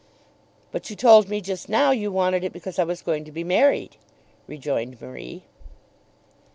"But you told me just now you wanted it because I was going to be married," rejoined Marie.